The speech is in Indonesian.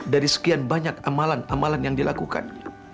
dari sekian banyak amalan amalan yang dilakukan